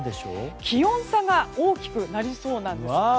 気温差が大きくなりそうなんです。